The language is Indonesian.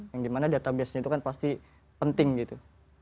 yang dimana data biasanya itu kan pasti penting gitu